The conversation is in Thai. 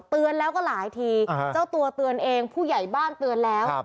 เตือนแล้วก็หลายทีเจ้าตัวเตือนเองผู้ใหญ่บ้านเตือนแล้ว